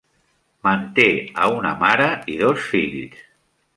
Manté a una mare i dos fills.